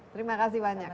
terima kasih banyak